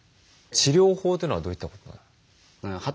治療法というのはどういったことなんですか？